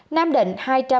nam định hai trăm hai mươi năm